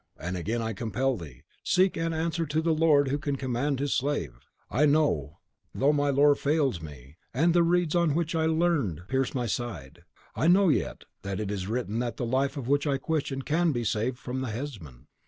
And again I compel thee, speak and answer to the lord who can command his slave. I know, though my lore fails me, and the reeds on which I leaned pierce my side, I know yet that it is written that the life of which I question can be saved from the headsman.